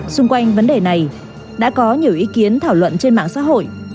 xung quanh vấn đề này đã có nhiều ý kiến thảo luận trên mạng xã hội